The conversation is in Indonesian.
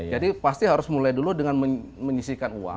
jadi pasti harus mulai dulu dengan menyisikan uang